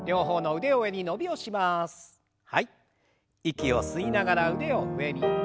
息を吸いながら腕を上に。